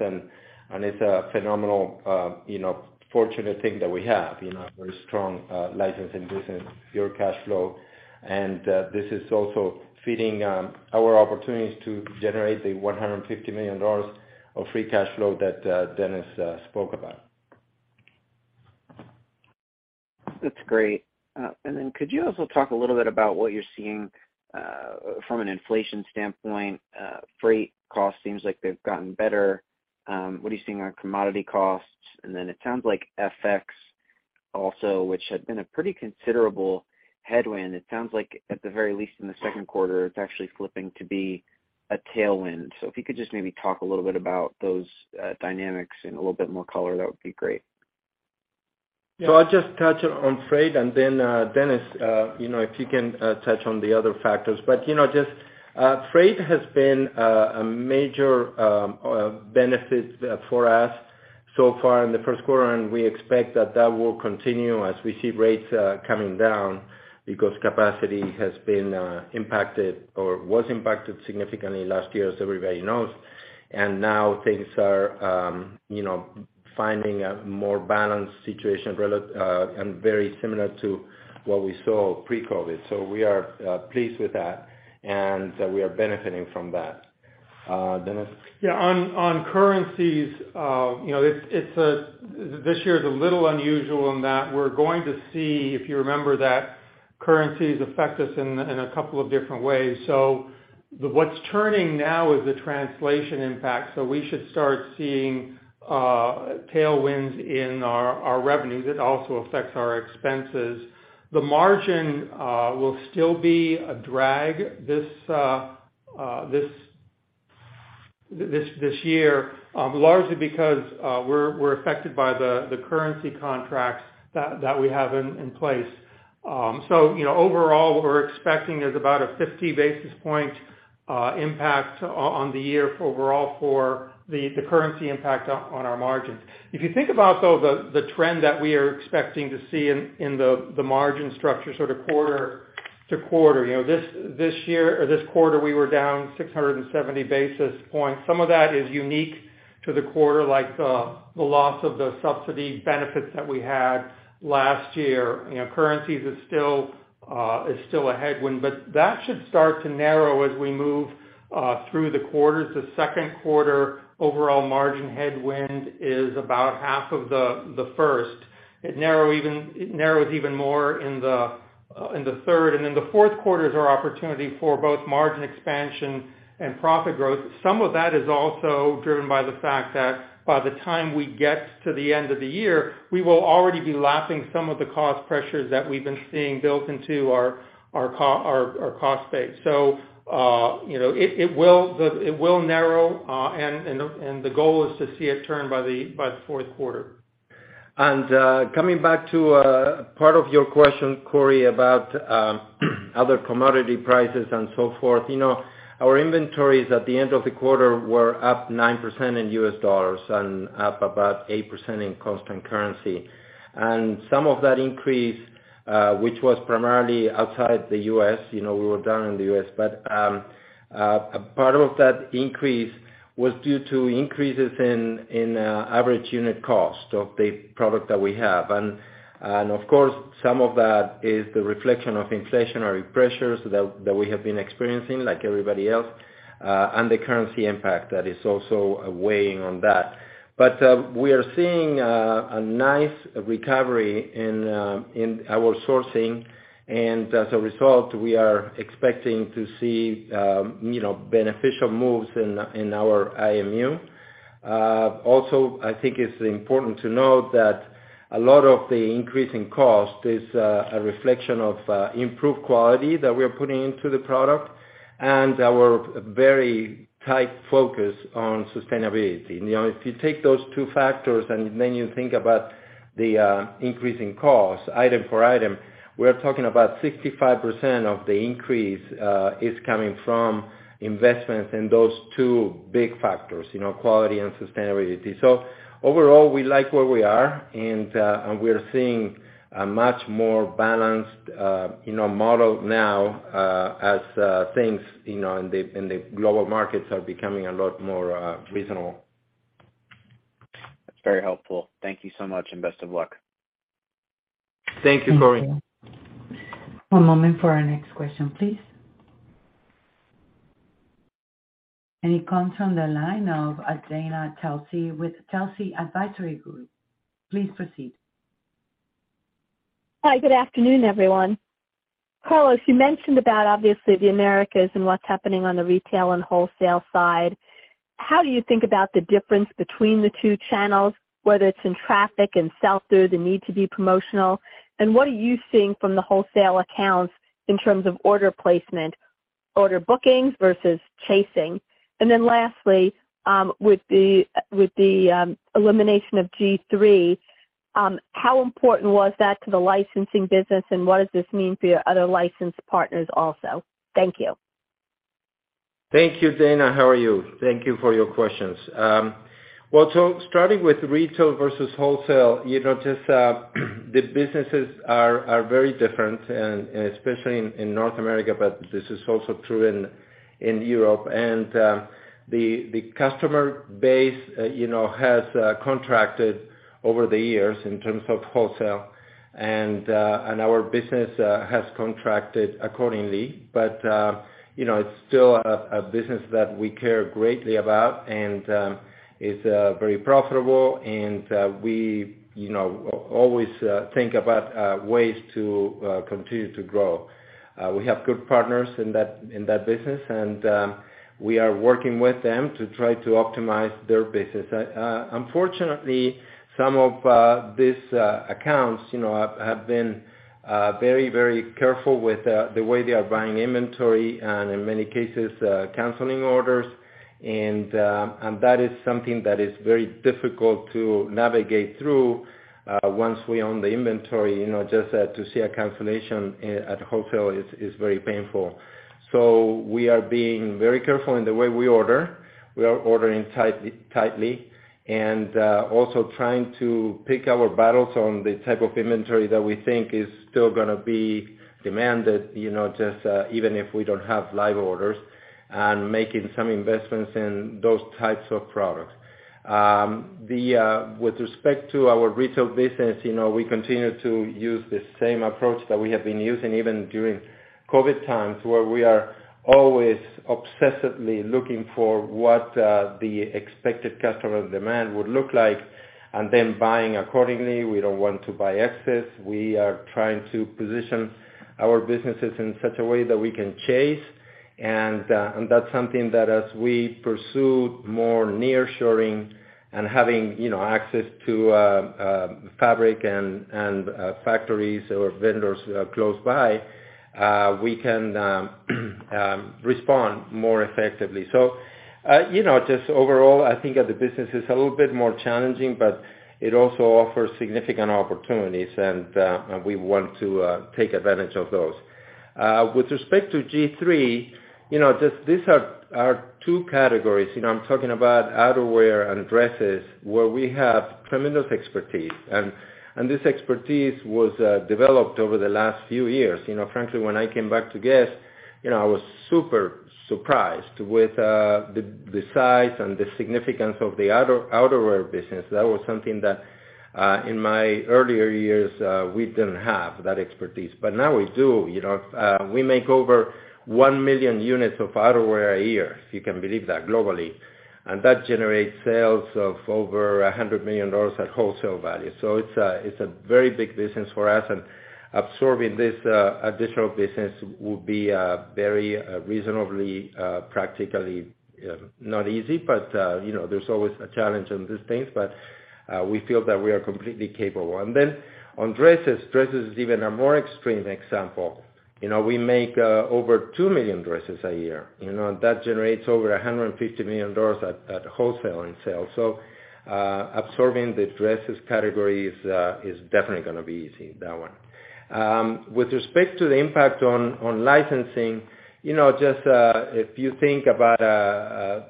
and it's a phenomenal, you know, fortunate thing that we have, you know, a very strong licensing business, pure cash flow. This is also feeding our opportunities to generate the $150 million of free cash flow that Dennis spoke about. That's great. Could you also talk a little bit about what you're seeing from an inflation standpoint? Freight costs seems like they've gotten better. What are you seeing on commodity costs? It sounds like FX also, which had been a pretty considerable headwind. It sounds like at the very least in the second quarter, it's actually flipping to be a tailwind. If you could just maybe talk a little bit about those dynamics and a little bit more color, that would be great. I'll just touch on freight and then, Dennis, you know, if you can touch on the other factors. You know, just freight has been a major benefit for us so far in the first quarter, and we expect that that will continue as we see rates coming down because capacity has been impacted or was impacted significantly last year, as everybody knows. Now things are, you know, finding a more balanced situation and very similar to what we saw pre-COVID. We are pleased with that, and we are benefiting from that. Dennis? Yeah. On, on currencies, you know, it's a, this year is a little unusual in that we're going to see, if you remember, that currencies affect us in a couple of different ways. What's turning now is the translation impact, so we should start seeing tailwinds in our revenues. It also affects our expenses. The margin will still be a drag this year, largely because we're affected by the currency contracts that we have in place. You know, overall, what we're expecting is about a 50 basis point impact on the year overall for the currency impact on our margins. If you think about, though, the trend that we are expecting to see in the margin structure sort of quarter-to-quarter, you know, this year or this quarter, we were down 670 basis points. Some of that is unique to the quarter, like the loss of the subsidy benefits that we had last year. You know, currencies is still a headwind, but that should start to narrow as we move through the quarters. The second quarter overall margin headwind is about half of the first. It narrows even more in the third, and then the fourth quarter is our opportunity for both margin expansion and profit growth. Some of that is also driven by the fact that by the time we get to the end of the year, we will already be lapping some of the cost pressures that we've been seeing built into our cost base. you know, it will narrow, and the goal is to see it turn by the fourth quarter. Coming back to part of your question, Corey, about other commodity prices and so forth. You know, our inventories at the end of the quarter were up 9% in U.S. dollars and up about 8% in constant currency. Some of that increase, which was primarily outside the U.S., you know, we were down in the U.S. A part of that increase was due to increases in average unit cost of the product that we have. Of course, some of that is the reflection of inflationary pressures that we have been experiencing like everybody else, and the currency impact that is also weighing on that. We are seeing a nice recovery in our sourcing. As a result, we are expecting to see, you know, beneficial moves in our IMU. Also, I think it's important to note that a lot of the increase in cost is a reflection of improved quality that we are putting into the product and our very tight focus on sustainability. You know, if you take those two factors and then you think about the increase in cost item for item, we're talking about 65% of the increase is coming from investments in those two big factors, you know, quality and sustainability. Overall, we like where we are and we're seeing a much more balanced, you know, model now, as things, you know, in the global markets are becoming a lot more reasonable. That's very helpful. Thank you so much, and best of luck. Thank you, Corey. Thank you. One moment for our next question, please. It comes from the line of Dana Telsey with Telsey Advisory Group. Please proceed. Hi. Good afternoon, everyone. Carlos, you mentioned about obviously the Americas and what's happening on the retail and wholesale side. How do you think about the difference between the two channels, whether it's in traffic and sell-through, the need to be promotional? What are you seeing from the wholesale accounts in terms of order placement, order bookings versus chasing? Lastly, with the elimination of G-III, how important was that to the licensing business, and what does this mean for your other licensed partners also? Thank you. Thank you, Dana. How are you? Thank you for your questions. Well, starting with retail versus wholesale, you know, just, the businesses are very different and especially in North America, but this is also true in Europe. The customer base, you know, has contracted over the years in terms of wholesale and our business has contracted accordingly. You know, it's still a business that we care greatly about and is very profitable and we, you know, always think about ways to continue to grow. We have good partners in that business, and we are working with them to try to optimize their business. Unfortunately, some of these accounts, you know, have been very careful with the way they are buying inventory, and in many cases, canceling orders. That is something that is very difficult to navigate through, once we own the inventory. You know, just to see a cancellation at wholesale is very painful. We are being very careful in the way we order. We are ordering tightly and also trying to pick our battles on the type of inventory that we think is still gonna be demanded, you know, even if we don't have live orders, and making some investments in those types of products. The with respect to our retail business, you know, we continue to use the same approach that we have been using even during COVID times, where we are always obsessively looking for what the expected customer demand would look like, and then buying accordingly. We don't want to buy excess. We are trying to position our businesses in such a way that we can chase. That's something that as we pursue more nearshoring and having, you know, access to fabric and factories or vendors close by, we can respond more effectively. You know, just overall, I think that the business is a little bit more challenging, but it also offers significant opportunities, and we want to take advantage of those. With respect to G-III, you know, just these are two categories, you know, I'm talking about outerwear and dresses, where we have tremendous expertise. This expertise was developed over the last few years. You know, frankly, when I came back to Guess, you know, I was super surprised with the size and the significance of the outerwear business. That was something that in my earlier years, we didn't have that expertise. But now we do, you know. We make over 1 million units of outerwear a year, if you can believe that, globally. That generates sales of over $100 million at wholesale value. It's a very big business for us. Absorbing this additional business would be very reasonably practically not easy, but, you know, there's always a challenge in these things. We feel that we are completely capable. On dresses is even a more extreme example. You know, we make over 2 million dresses a year, you know, and that generates over $150 million at wholesale in sales. Absorbing the dresses categories is definitely gonna be easy, that one. With respect to the impact on licensing, you know, just if you think about a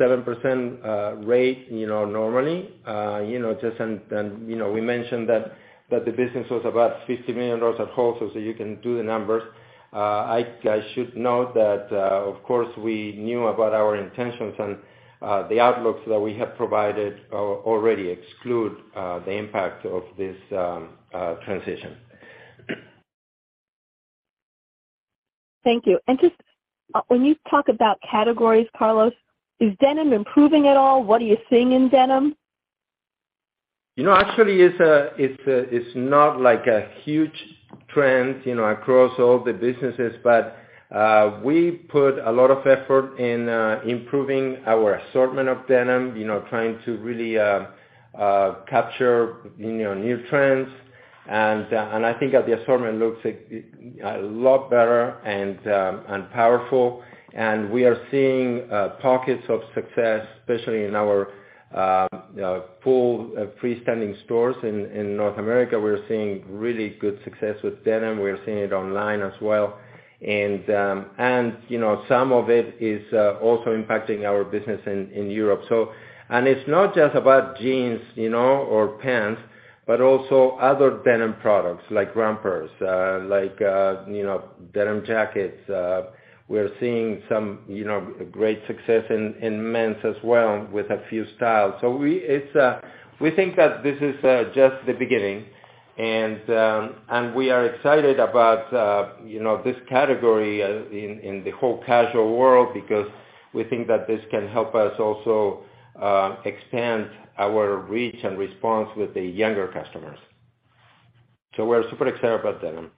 7% rate, you know, normally, you know, just and, you know, we mentioned that the business was about $50 million at wholesale, so you can do the numbers. I should note that, of course, we knew about our intentions and, the outlooks that we have provided already exclude, the impact of this, transition. Thank you. Just, when you talk about categories, Carlos, is denim improving at all? What are you seeing in denim? You know, actually, it's a, it's not like a huge trend, you know, across all the businesses, but we put a lot of effort in improving our assortment of denim, you know, trying to really capture, you know, new trends. I think that the assortment looks a lot better and powerful. We are seeing pockets of success, especially in our full freestanding stores in North America. We're seeing really good success with denim. We're seeing it online as well. You know, some of it is also impacting our business in Europe. It's not just about jeans, you know, or pants, but also other denim products like rompers, like, you know, denim jackets. We're seeing some, you know, great success in men's as well with a few styles. It's, we think that this is just the beginning. We are excited about, you know, this category in the whole casual world because we think that this can help us also expand our reach and response with the younger customers. We're super excited about denim.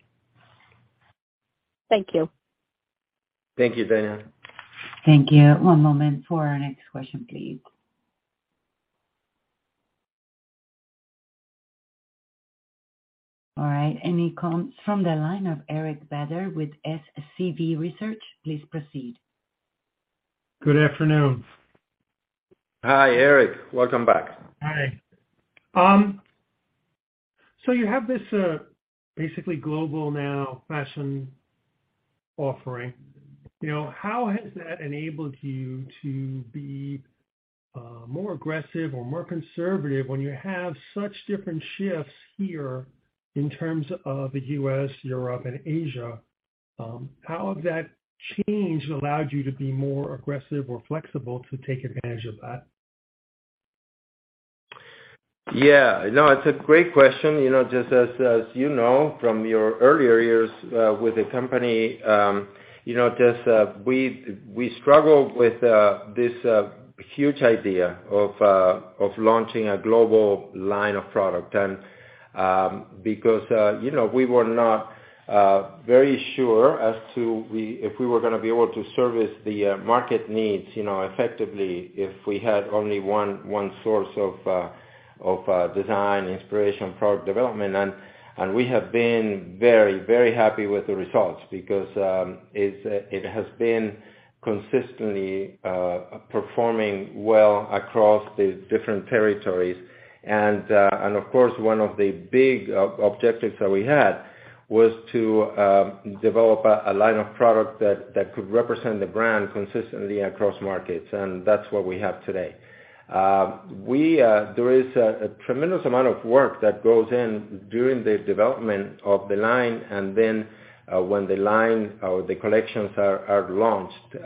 Thank you. Thank you, Dana. Thank you. One moment for our next question, please. All right. It comes from the line of Eric Beder with SCC Research. Please proceed. Good afternoon. Hi, Eric. Welcome back. Hi. You have this basically global now fashion offering. You know, how has that enabled you to be more aggressive or more conservative when you have such different shifts here in terms of the U.S., Europe, and Asia? How has that change allowed you to be more aggressive or flexible to take advantage of that? Yeah. No, it's a great question. You know, just as you know, from your earlier years with the company, you know, just we struggled with this huge idea of launching a global line of product. Because, you know, we were not very sure as to if we were gonna be able to service the market needs, you know, effectively if we had only one source of design, inspiration, product development. And we have been very, very happy with the results because it's it has been consistently performing well across the different territories. And of course, one of the big objectives that we had was to develop a line of product that could represent the brand consistently across markets. That's what we have today. We, there is a tremendous amount of work that goes in during the development of the line and then, when the line or the collections are launched.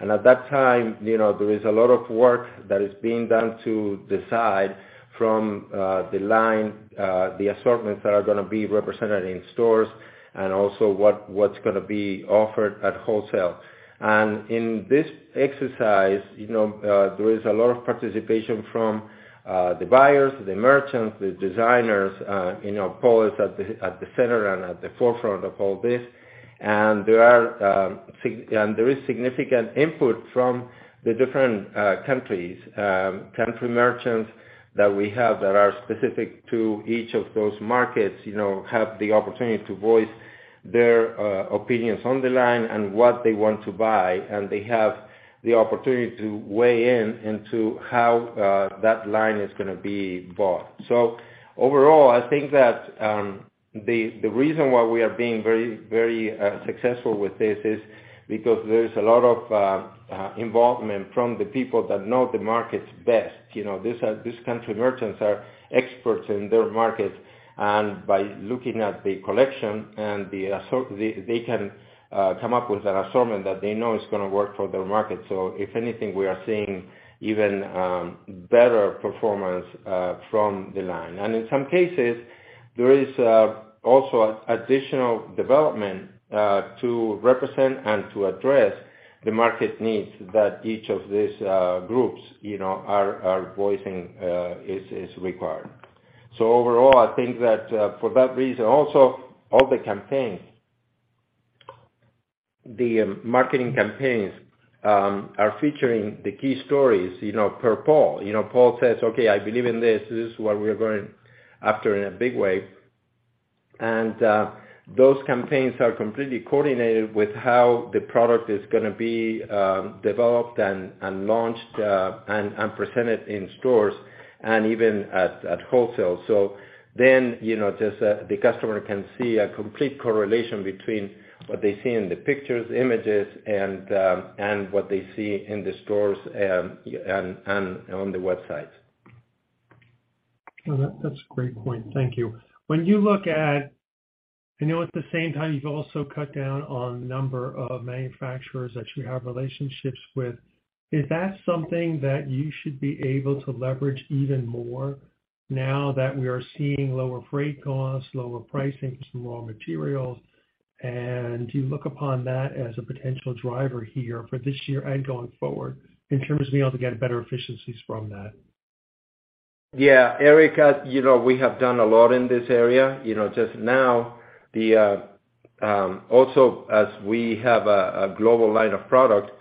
At that time, you know, there is a lot of work that is being done to decide from the line, the assortments that are gonna be represented in stores and also what's gonna be offered at wholesale. In this exercise, you know, there is a lot of participation from the buyers, the merchants, the designers, you know, Paul is at the center and at the forefront of all this. There are and there is significant input from the different countries, country merchants that we have that are specific to each of those markets, you know, have the opportunity to voice their opinions on the line and what they want to buy, and they have the opportunity to weigh in into how that line is gonna be bought. Overall, I think that the reason why we are being very successful with this is because there is a lot of involvement from the people that know the markets best. You know, these country merchants are experts in their markets, and by looking at the collection and they can come up with an assortment that they know is gonna work for their market. If anything, we are seeing even better performance from the line. In some cases, there is also additional development to represent and to address the market needs that each of these groups, you know, are voicing, is required. Overall, I think that for that reason, also all the campaigns, the marketing campaigns, are featuring the key stories, you know, per Paul. You know, Paul says, "Okay, I believe in this. This is what we are going after in a big way." And those campaigns are completely coordinated with how the product is gonna be developed and launched and presented in stores and even at wholesale. you know, just, the customer can see a complete correlation between what they see in the pictures, images, and what they see in the stores, and on the website. No, that's a great point. Thank you. When you look at... I know at the same time you've also cut down on number of manufacturers that you have relationships with. Is that something that you should be able to leverage even more now that we are seeing lower freight costs, lower pricing for some raw materials? Do you look upon that as a potential driver here for this year and going forward in terms of being able to get better efficiencies from that? Yeah. Eric, you know, we have done a lot in this area. You know, just now the also as we have a global line of product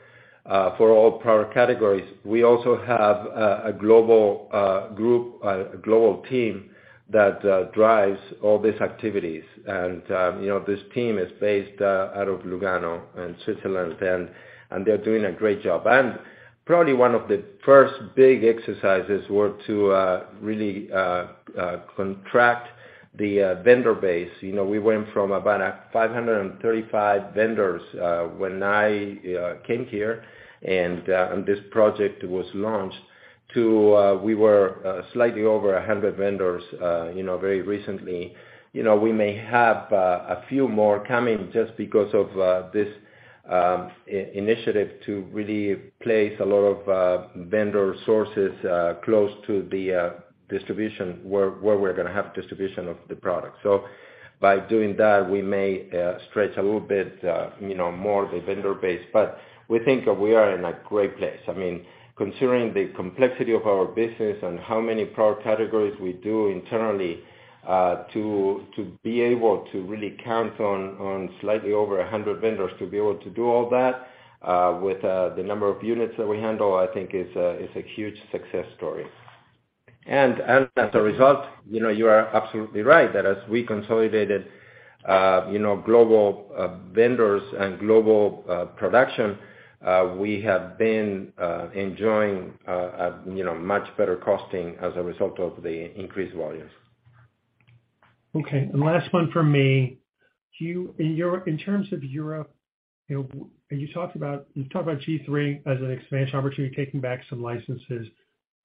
for all product categories, we also have a global group, a global team that drives all these activities. You know, this team is based out of Lugano in Switzerland and they're doing a great job. Probably one of the first big exercises were to really contract the vendor base. You know, we went from about 535 vendors when I came here and this project was launched to we were slightly over 100 vendors, you know, very recently. You know, we may have a few more coming just because of this initiative to really place a lot of vendor sources close to the distribution where we're gonna have distribution of the product. By doing that, we may stretch a little bit, you know, more the vendor base. We think we are in a great place. I mean, considering the complexity of our business and how many product categories we do internally, to be able to really count on slightly over 100 vendors to be able to do all that with the number of units that we handle, I think is a huge success story. As a result, you know, you are absolutely right that as we consolidated, you know, global vendors and global production, we have been enjoying a, you know, much better costing as a result of the increased volumes. Okay. Last one from me. In Europe, in terms of Europe, you know, you talked about G-III as an expansion opportunity, taking back some licenses.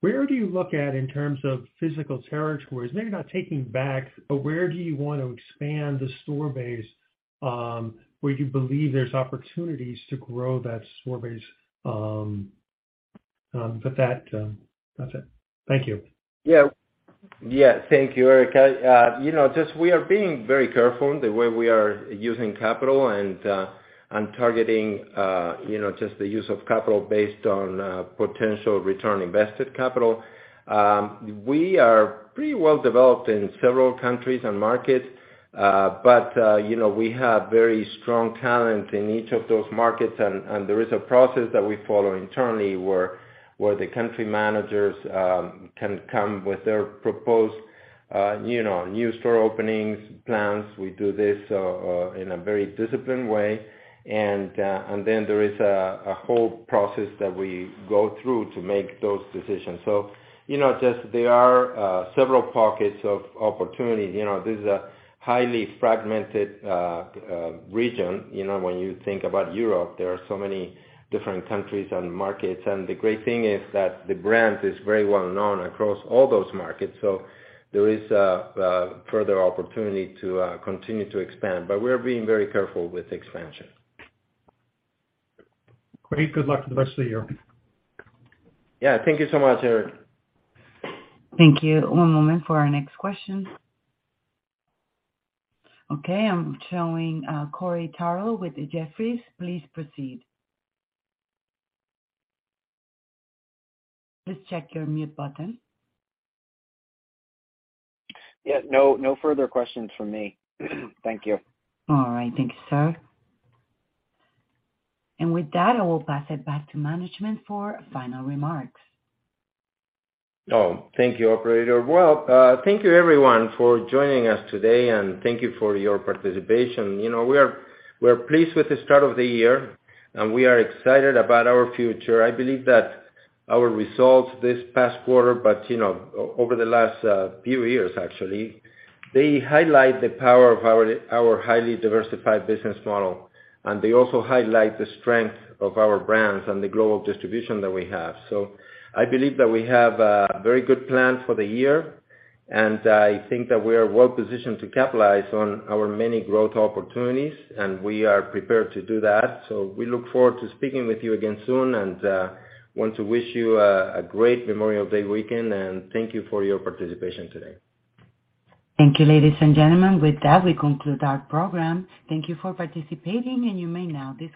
Where do you look at in terms of physical territories? Maybe not taking back, but where do you want to expand the store base, where you believe there's opportunities to grow that store base. That's it. Thank you. Yeah. Thank you, Eric. You know, just we are being very careful in the way we are using capital and targeting, you know, just the use of capital based on potential return on invested capital. We are pretty well developed in several countries and markets, but, you know, we have very strong talent in each of those markets. There is a process that we follow internally where the country managers can come with their proposed, you know, new store openings plans. We do this in a very disciplined way. Then there is a whole process that we go through to make those decisions. You know, just there are several pockets of opportunity. You know, this is a highly fragmented region. You know, when you think about Europe, there are so many different countries and markets. The great thing is that the brand is very well known across all those markets, so there is further opportunity to continue to expand. We're being very careful with expansion. Great. Good luck for the rest of the year. Yeah. Thank you so much, Eric. Thank you. One moment for our next question. Okay, I'm showing Corey Tarlowe with Jefferies. Please proceed. Please check your mute button. Yeah, no further questions from me. Thank you. All right. Thank you, sir. With that, I will pass it back to management for final remarks. Oh, thank you, Operator. Well, thank you everyone for joining us today, and thank you for your participation. You know, we are pleased with the start of the year, and we are excited about our future. I believe that our results this past quarter, but, you know, over the last few years actually, they highlight the power of our highly diversified business model. They also highlight the strength of our brands and the global distribution that we have. I believe that we have a very good plan for the year, and I think that we are well positioned to capitalize on our many growth opportunities, and we are prepared to do that. We look forward to speaking with you again soon and want to wish you a great Memorial Day weekend. Thank you for your participation today. Thank you, ladies, and gentlemen. With that, we conclude our program. Thank you for participating, and you may now disconnect.